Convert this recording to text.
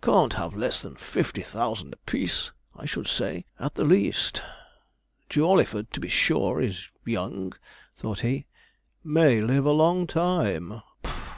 Can't have less than fifty thousand a piece, I should say, at the least. Jawleyford, to be sure, is young,' thought he; 'may live a long time' (puff).